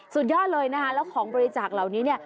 สุดยอดเลยนะคะแล้วของบริจาคเหล่านี้เนี่ย